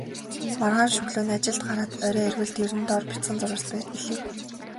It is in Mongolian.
Маргааш өглөө нь ажилд гараад орой ирвэл дэрэн доор бяцхан зурвас байж билээ.